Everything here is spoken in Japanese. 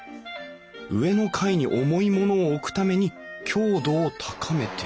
上の階に重い物を置くために強度を高めている。